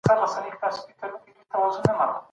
بهرنۍ پالیسي د ملي حاکمیت او د هیواد د ازادۍ څخه دفاع کوي.